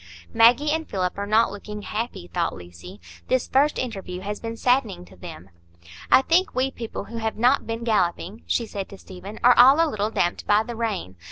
"Maggie and Philip are not looking happy," thought Lucy; "this first interview has been saddening to them." "I think we people who have not been galloping," she said to Stephen, "are all a little damped by the rain.